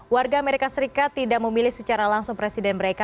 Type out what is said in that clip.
warga amerika serikat tidak memilih secara langsung presiden mereka